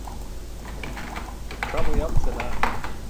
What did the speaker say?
C̣ʰam uyam senaan.